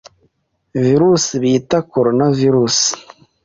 Virus bita corona virus